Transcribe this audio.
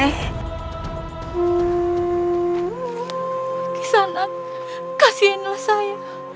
pergi sana kasihinlah saya